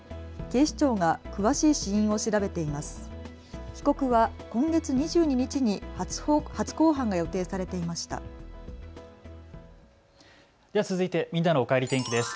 警視庁が詳しい死因を調べています。